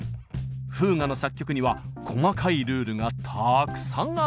フーガの作曲には細かいルールがたくさんあるんです。